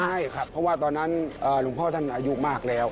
ใช่ครับเพราะว่าตอนนั้นหลวงพ่อท่านอายุมากแล้ว